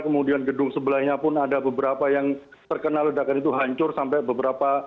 kemudian gedung sebelahnya pun ada beberapa yang terkena ledakan itu hancur sampai beberapa